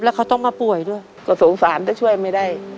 แล้วเขาต้องมาป่วยด้วยก็สงสารถ้าช่วยไม่ได้